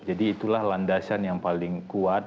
jadi itulah landasan yang paling kuat